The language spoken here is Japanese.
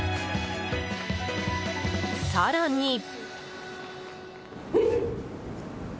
更に。